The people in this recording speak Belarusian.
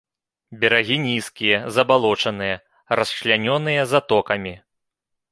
Берагі нізкія, забалочаныя, расчлянёныя затокамі.